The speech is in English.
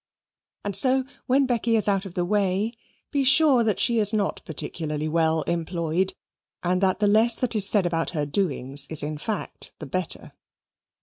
And so, when Becky is out of the way, be sure that she is not particularly well employed, and that the less that is said about her doings is in fact the better.